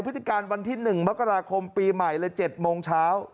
พฤติการวันที่๑มกราคมปีใหม่เลย๗โมงเช้า